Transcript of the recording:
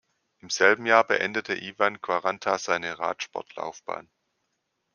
Im selben Jahr beendete Ivan Quaranta seine Radsportlaufbahn.